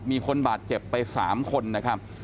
มีคนบาดเจ็บไป๓คนนะครับ